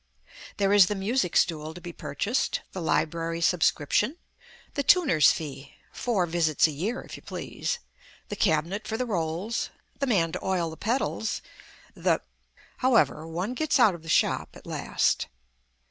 There is the music stool to be purchased, the library subscription, the tuner's fee (four visits a year, if you please), the cabinet for the rolls, the man to oil the pedals, the However, one gets out of the shop at last.